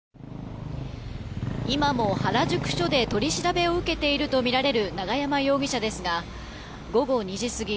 今も原宿署で取り調べを受けているとみられる永山容疑者ですが午後２時過ぎ